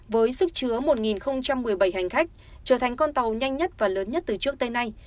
với sức chứa một một mươi bảy hành khách trở thành con tàu nhanh nhất và lớn nhất từ trước tới nay